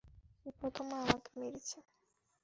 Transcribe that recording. সে প্রথম আমাকে মেরেছে।